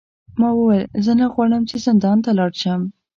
ما وویل زه نه غواړم چې زندان ته لاړ شم.